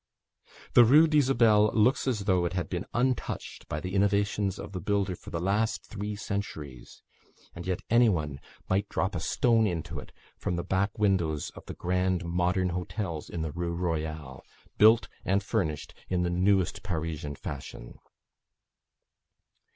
The Rue d'Isabelle looks as though it had been untouched by the innovations of the builder for the last three centuries; and yet any one might drop a stone into it from the back windows of the grand modern hotels in the Rue Royale, built and furnished in the newest Parisian fashion.